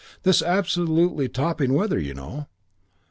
This absolutely topping weather, you know.